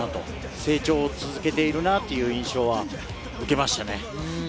成長を続けているなという印象は受けましたね。